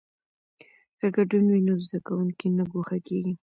که ګډون وي نو زده کوونکی نه ګوښه کیږي.